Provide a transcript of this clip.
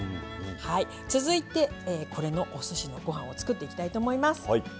続いて、おすしのご飯を作っていきたいと思います。